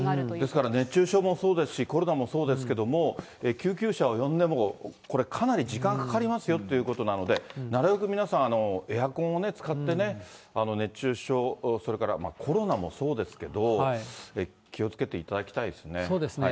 ですから、熱中症もそうですし、コロナもそうですけど、救急車を呼んでも、これ、かなり時間かかりますよということなので、なるべく皆さん、エアコンを使ってね、熱中症、それからコロナもそうですけど、そうですね。